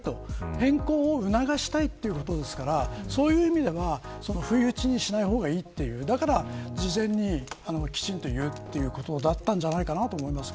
変更を促したいということですからそういう意味では不意打ちにしない方がいいというだから事前にきちんと言うということだったんじゃないかなと思います。